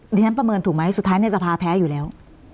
ที่ฉันประเมินถูกไหมสุดท้ายในสภาแพ้อยู่แล้ว